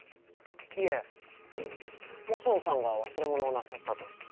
いえ和尚さんが忘れ物をなさったと。